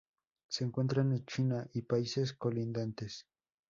Se encuentran en China y países colindantes.